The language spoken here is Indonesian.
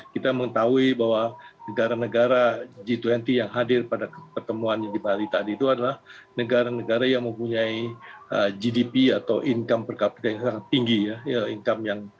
kita mengetahui bahwa negara negara g dua puluh yang hadir pada pertemuannya di bali tadi itu adalah negara negara yang mempunyai gdp atau income per capita yang sangat tinggi ya